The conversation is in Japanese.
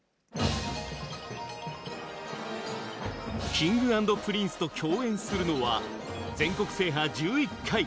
Ｋｉｎｇ＆Ｐｒｉｎｃｅと共演するのは、全国制覇１１回